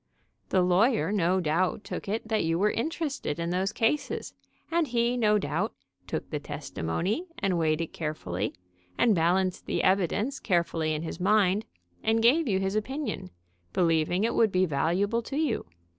"The lawyer no doubt took it that you were interested in those cases, and he no doubt took the testimony and weighed it carefully, and balanced the evidence carefully in his mind, and gave you his opin ion, believing it would be valuable to you.